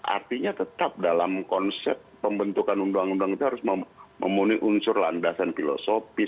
artinya tetap dalam konsep pembentukan undang undang itu harus memenuhi unsur landasan filosofi